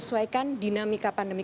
saya perhatikan hari ini